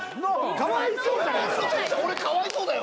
俺かわいそうだよ。